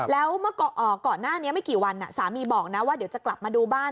แล้วเมื่อก่อนหน้านี้ไม่กี่วันสามีบอกนะว่าเดี๋ยวจะกลับมาดูบ้าน